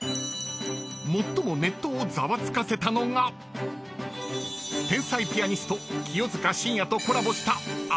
［最もネットをざわつかせたのが天才ピアニスト清塚信也とコラボしたあの男！］